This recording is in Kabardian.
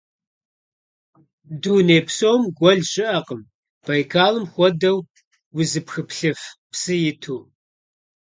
Дуней псом гуэл щыӀэкъым Байкалым хуэдэу узыпхыплъыф псы иту.